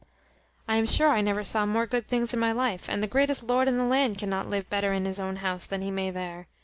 I am sure I never saw more good things in my life, and the greatest lord in the land cannot live better in his own house than he may there.